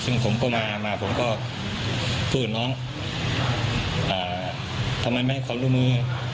ซึ่งผมก็มามาผมก็พูดกับน้องทำไมไม่ให้ความร่วมมือ